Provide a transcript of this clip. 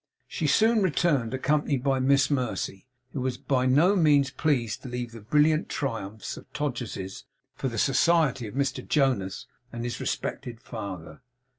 She soon returned, accompanied by Miss Mercy, who was by no means pleased to leave the brilliant triumphs of Todgers's for the society of Mr Jonas and his respected father.